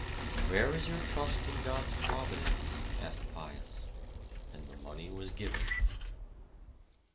"Where is your trust in God's Providence?" asked Pius, and the money was given.